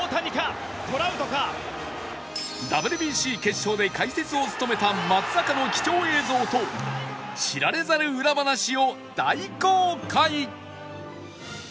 ＷＢＣ 決勝で解説を務めた松坂の貴重映像と知られざる裏話を大公開！